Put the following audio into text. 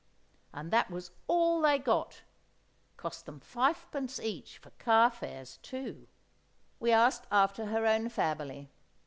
And that was all they got!—cost them fivepence each for car fares too! We asked after her own family.